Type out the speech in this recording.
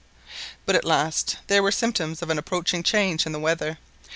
But at last there were symptoms of an approaching change in the weather.